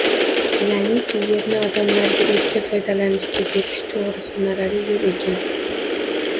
Ya’niki, yerni odamlarga erkin foydalanishga berish – to‘g‘ri, samarali yo‘l ekan.